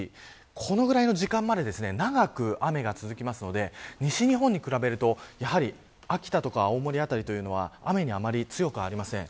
このくらいの時間まで長く雨が続きますので西日本に比べると秋田とか青森辺りは雨にあまり強くありません。